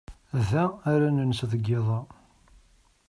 Da ara nens deg yiḍ-a.